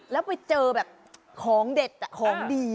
แล้วไปเจอแบบของเด็ดของดี